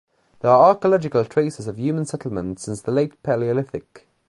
There are archaeological traces of human settlement since the late Paleolithic.